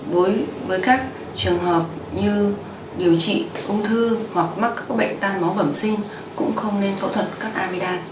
đối với các trường hợp như điều trị ung thư hoặc mắc các bệnh tan máu bẩm sinh cũng không nên phẫu thuật cắt amidam